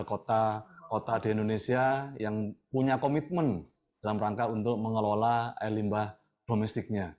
kota kota di indonesia yang punya komitmen dalam rangka untuk mengelola air limbah domestiknya